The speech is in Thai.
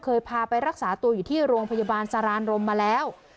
พาไปรักษาตัวอยู่ที่โรงพยาบาลสารานรมมาแล้ว